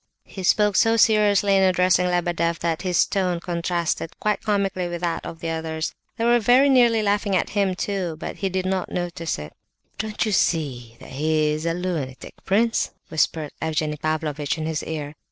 He spoke so seriously in addressing Lebedeff, that his tone contrasted quite comically with that of the others. They were very nearly laughing at him, too, but he did not notice it. "Don't you see he is a lunatic, prince?" whispered Evgenie Pavlovitch in his ear.